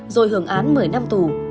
rồi hưởng án một mươi năm tù